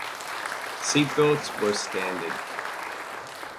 Seat belts were standard.